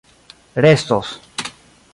restos